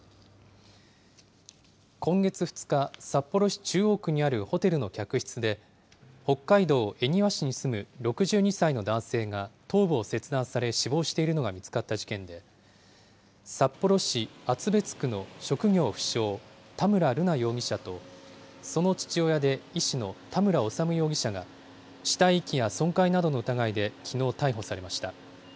今月２日、札幌市中央区にあるホテルの客室で、北海道恵庭市に住む６２歳の男性が頭部を切断され死亡しているのが見つかった事件で、札幌市厚別区の職業不詳、田村瑠奈容疑者と、その父親で医師の田村修容疑者が、死体遺棄や損壊などの疑いで、きのう逮捕されました。